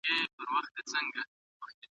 ښه انسان عدالت خوښوي